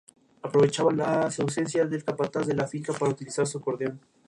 En ese momento ingresó Muhammad Ali a insultar a Monsoon, el cual respondió golpeándolo.